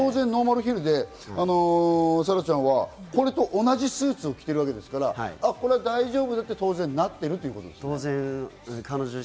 ノーマルヒルで沙羅ちゃんはこれと同じスーツを着ているわけですから、だいじょうぶだってなっているということですね。